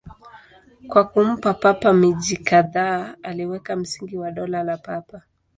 Kwa kumpa Papa miji kadhaa, aliweka msingi wa Dola la Papa.